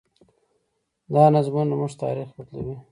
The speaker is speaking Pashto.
دا نظمونه زموږ تاریخ بدلوي.